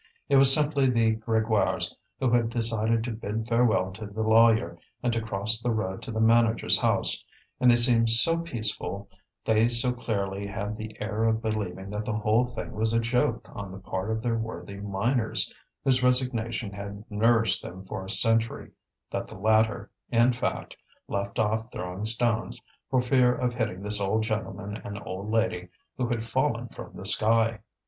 It was simply the Grégoires, who had decided to bid farewell to the lawyer, and to cross the road to the manager's house; and they seemed so peaceful, they so clearly had the air of believing that the whole thing was a joke on the part of their worthy miners, whose resignation had nourished them for a century, that the latter, in fact, left off throwing stones, for fear of hitting this old gentleman and old lady who had fallen from the sky.